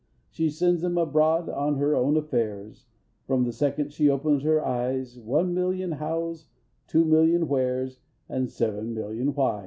She sends 'em abroad on her own affairs, From the second she opens her eyes One million Hows, two million Wheres, And seven million Whys!